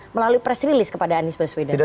melalui press release kepada anies baswedan